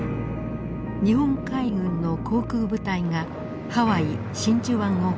日本海軍の航空部隊がハワイ真珠湾を攻撃。